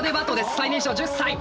最年少１０歳！